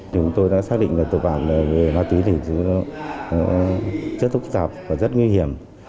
chúng tôi đã xác định là tội phạm về ma túy thì rất thúc tạp và rất nguy hiểm